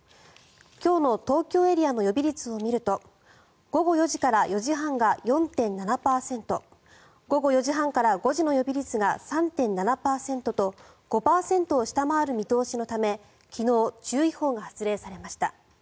今日の東京エリアの予備率を見ると午後４時から４時半が４．７％午後４時３０分から５時の間の予備率が３．７％と５％を下回る見通しのため昨日、注意報が発令されました。